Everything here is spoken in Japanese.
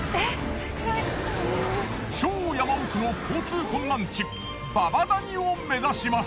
超山奥の交通困難地祖母谷を目指します。